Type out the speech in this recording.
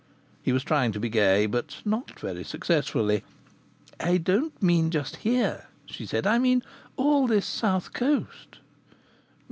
He was trying to be gay, but not very successfully. "I don't mean just here," she said. "I mean all this south coast."